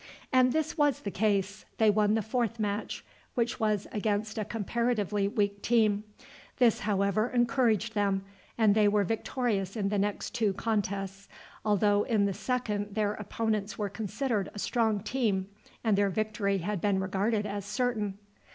And this was the case. They won the fourth match, which was against a comparatively weak team. This, however, encouraged them, and they were victorious in the next two contests, although in the second their opponents were considered a strong team, and their victory had been regarded as certain.